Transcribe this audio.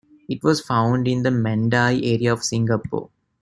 It was found in the Mandai area of Singapore.